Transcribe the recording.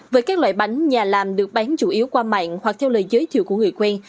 với các loại bánh nhà làm được bán chủ yếu qua mạng hoặc theo lời giới thiệu của người quen